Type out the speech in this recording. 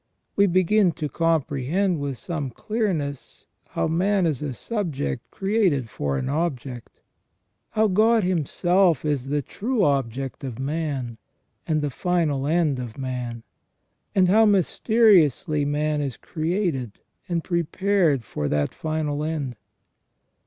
We begin to comprehend with some clearness how man is a subject created for an object ; how God Himself is the true object of man, and the final end of man ; and how mysteriously man is created and prepared for that final end.